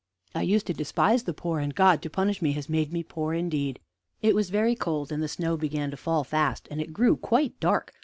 I used to despise the poor, and God, to punish me, has made me poor indeed." It was very cold, and the snow began to fall fast, and it grew quite dark.